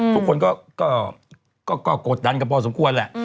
ทุกคนก็กดดันกันพอสมควรแหละ